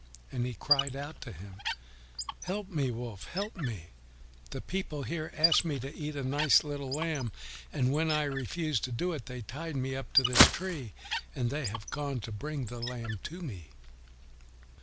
And he cried out to him, "Help me, Wolf! Help me! The people here asked me to eat up a nice little lamb, and when I refused to do it, they tied me up to this tree, and they have gone to bring the lamb to me."